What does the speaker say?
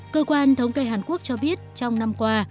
cơ quan thống kê hàn quốc cho biết trong năm qua